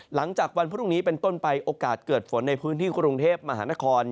หลังจากวันพรุ่งนี้เป็นต้นไปโอกาสเกิดฝนในพื้นที่กรุงเทพมหานคร